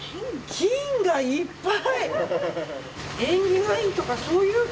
金がいっぱい。